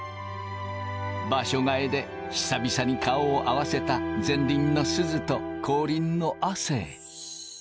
場所替えで久々に顔を合わせた前輪のすずと後輪の亜生。